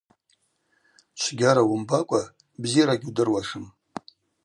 Чвгьара уымбакӏва бзира гьудыруашым.